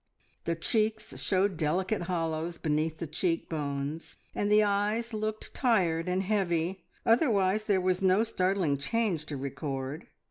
The cheeks showed delicate hollows beneath the cheek bones, and the eyes looked tired and heavy, otherwise there was no startling change to record.